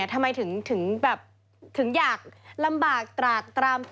ทำไมถึงอยากลำบากตรากตราม